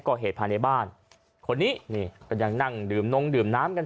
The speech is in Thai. ก่อเหตุภายในบ้านคนนี้นี่ก็ยังนั่งดื่มนงดื่มน้ำกัน